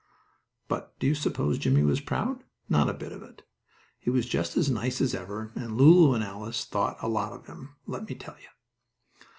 But do you s'pose Jimmie was proud? Not a bit of it. He was just as nice as ever, and Lulu and Alice thought a lot of him, let me tell you.